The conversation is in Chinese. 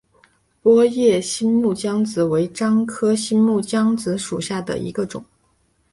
波叶新木姜子为樟科新木姜子属下的一个种。